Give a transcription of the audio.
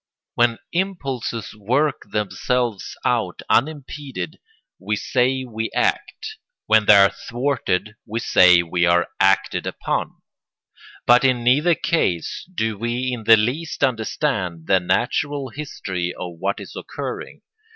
When impulses work themselves out unimpeded we say we act; when they are thwarted we say we are acted upon; but in neither case do we in the least understand the natural history of what is occurring.